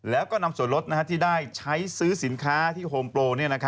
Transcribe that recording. แล้วก็นำส่วนลดที่ได้ใช้ซื้อสินค้าที่โฮมโปร